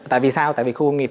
tại vì sao tại vì khu công nghiệp